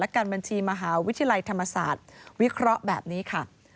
การบัญชีมหาวิทยาลัยธรรมศาสตร์วิเคราะห์แบบนี้ค่ะ